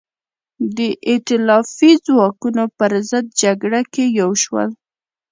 د ایتلافي ځواکونو پر ضد جګړه کې یو شول.